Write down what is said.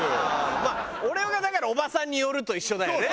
まあ俺がだからおばさんによると一緒だよね。